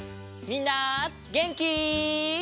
みんなげんき？